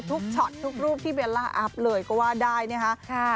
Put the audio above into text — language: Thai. ช็อตทุกรูปที่เบลล่าอัพเลยก็ว่าได้นะคะ